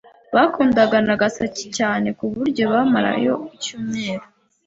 Bakundaga Nagasaki cyane ku buryo bamarayo icyumweru.